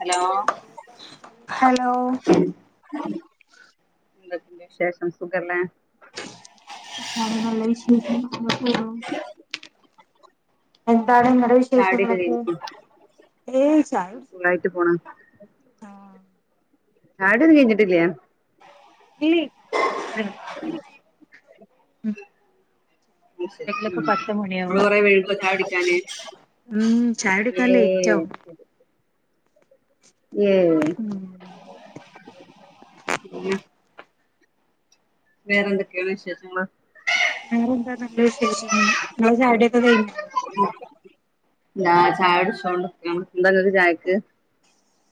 Hello hello ന്തൊക്കെ ശേഷം സുഗല്ലേ? സുഖാണ് നല്ല വിശേഷം [inaudible] എന്താണ് ങ്ങടെ ചായുടിയൊക്കെ വിശേഷങ്ങളൊക്കെ? ഏയ് ചായുട്ച് സുഗായിട്ട് പോണ് ചായൊട്യൊന്നു കെയ്ഞ്ഞിട്ടില്ലാ ഇല്ലേ [unintelligible] [inaudible] ഉ ങ്ങള് കൊറെ വഴുകോ ചായൊടിക്കാന് ഊം ചായൊടിക്കാൻ ലെയിറ്റാവും യേ ഉം [inaudible] വേറന്തൊക്കെയ വിശേഷങ്ങള്? വേറെന്താ നല്ല വിശേഷം ങ്ങള ചായൊടി ഒക്ക കയിഞ്ഞൊ? ഞാ ചായൊടിച്ചോണ്ട്ക്കാണ് ന്താ ങ്ങക്ക് ചായക്ക്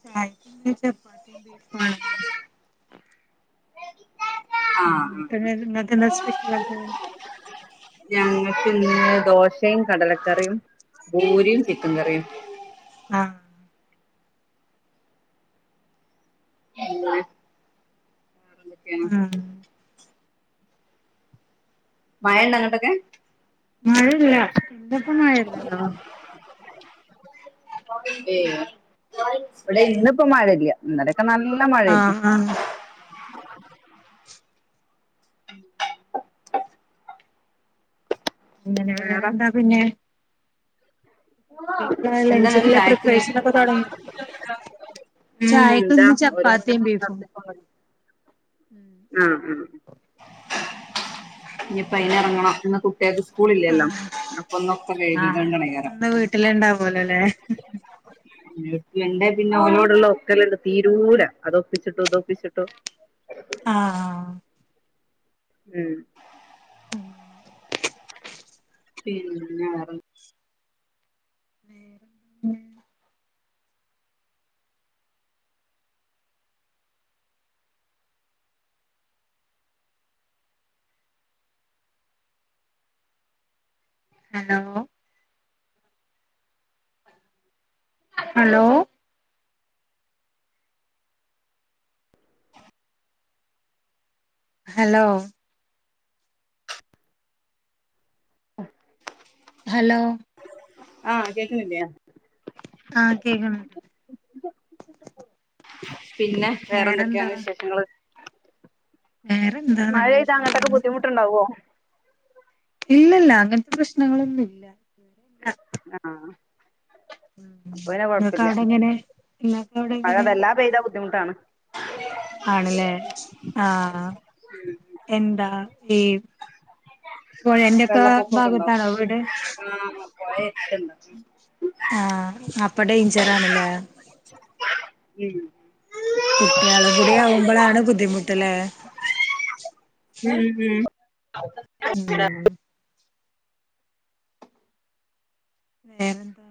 ചായക്കിന്ന് ചെപ്പാത്ത്യും ബീഫു ആണ് ആ പിന്നെ ഇന്നത്തെ എന്താ ആ അ സ്പെഷ്യലൊക്കെ ഞങ്ങക്ക് ന്ന് ദോശയ് കടലക്കറിയും പൂരിയും ചിക്കങ്കറിയും അ [inaudible] വേറെന്തൊക്കെയാണ് ആഹ് മയണ്ടാങ്ങൊട്ടൊക്കെ? മഴല്ല തപ്പം മഴെര്ന്ന്ണ്ടോ? [inaudible] [inaudible] വടെ ഇന്ന്പ്പം മഴല്ല്യ ന്നലൊക്കെ നൽ ആ ആഹ് അങ്ങനെ വേറെ വേറെന്താ പിന്നെ ഇപ്പ്ളാ എന്താണ് ലഞ്ചിനുള്ള ചായക്കിന്ന് പ്രിപ്പറേഷൻ ഒക്കെ തുടങ്ങി ഉം ഇതാ ചായക്കിന്ന് ചപ്പാത്തീം ഓരോന്നിങ്ങനെ ബീഫും ഉം ഉം ഇനിപ്പയിനി ഇറങ്ങണം ഇന്ന് കു ട്ട്യാൾക്ക് സ്കൂള് ഇല്ലല്ലോ ആഹ് അപ്പൊന്നൊക്കെ വഴ്കീട്ട് അങ്ങട്ടങ്ങനെ കയറാം ല് ണ്ടാവുലല്ലേ ണ്ട് പിന്നെ ഓലോടുള്ള ഒക്കലണ്ട് തീരൂല അതൊപ്പിച്ചിട്ടും ഇതൊപ്പിച്ചിട്ടും ആഹ് ഉം പിന്ന മ്മ് ഹലോ ഹലോ ഹലോ ആഹ് ഹലോ ആഹ് കേക് നില്ലേ ആഹ് കേക്നീണ്ട് പിന്നെ വേറെന്താ വേറെന്തൊക്കെയാണ് വിശേഷങ്ങള് വേറെ മഴെയ്താ അങ്ങട്ടക്കെ ബുദ്ധിമുട്ട്ണ്ടാവോ ഇല്ലല്ല അങ്ങനത്തെ പ്രശ്നങ്ങളൊന്നും ഇല്ല ആഹ് അപ്പൊ പിന്നെ കൊഴപ്പില്ല എല്ലാക്കവിടെ മഴ എങ്ങനെ വല്ലാ പെയ്താ ബുദ്ധിമുട്ടാണ് ആണല്ലേ ആഹ് എന്താ ഈ പുഴന്റെയൊക്കെ വെള്ളപ്പൊക്കൊക്കെണ്ടോ ഭാഗത്താണോ വീട് ആഹ് പൊയ എടതിൻഡ് ആഹ് അപ്പൊ ഡടേയിഞ്ചറാണ്ല്ലേ ഉം കുട്ടികള് കൂട ആകുമ്പോളാണ് ബുദ്ധിമുട്ടില് ഉം ഉം ഉം വേറെ എന്താ